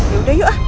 yaudah yuk ah